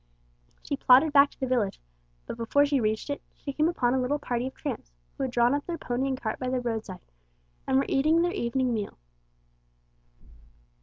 She plodded back to the village, but before she reached it, she came upon a little party of tramps who had drawn up their pony and cart by the roadside, and were eating their evening meal.